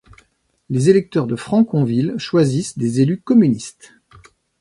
Les électeurs de Franconville choisissent des élus communistes.